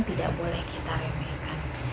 tidak boleh kita remehkan